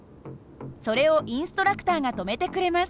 それをインストラクターが止めてくれます。